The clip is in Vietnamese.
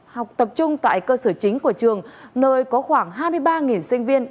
học tập trung tại cơ sở chính của trường nơi có khoảng hai mươi ba sinh viên